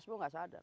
semua tidak sadar